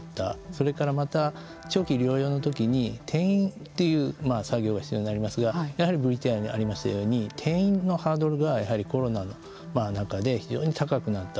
それから、またき長期療養の時に転院という作業が必要になりますがＶＴＲにもありましたとおりやはりコロナの中で非常に高くなった。